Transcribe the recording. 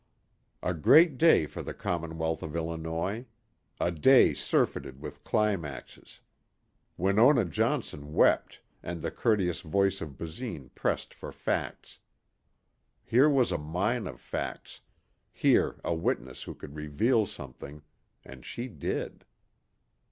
A great day for the commonwealth of Illinois. A day surfeited with climaxes. Winona Johnson wept and the courteous voice of Basine pressed for facts. Here was a mine of facts, here a witness who could reveal something.... And she did....